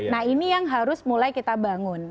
nah ini yang harus mulai kita bangun